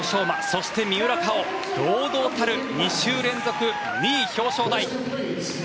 そして、三浦佳生堂々たる２週連続、２位表彰台。